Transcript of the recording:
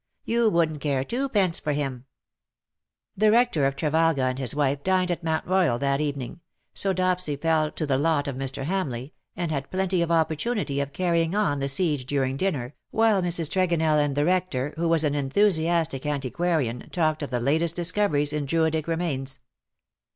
You wouldn't care twopence for him.'' '^WHO KNOWS NOT CIRCE?" 259 The Rector of Trevalga and his wife dined at Mount Royal that evening, so Dopsy fell to the lot of Mr. Hamleigh_, and had plenty of opportunity of carrying on the siege during diuner, while INIrs. Tregonell and the Rector_, who was an enthusiastic antiquarian, talked of the latest discoveries in Druidic remains.